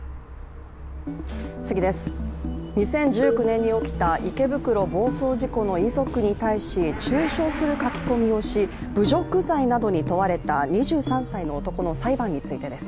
２０１９年に起きた池袋暴走事故の遺族に対し中傷する書き込みをし、侮辱罪などに問われた２３歳の男の裁判についてです。